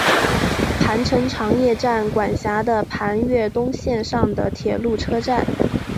磐城常叶站管辖的磐越东线上的铁路车站。